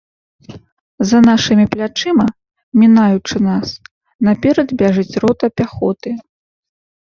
За нашымі плячыма, мінаючы нас, наперад бяжыць рота пяхоты.